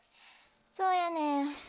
そうやねん。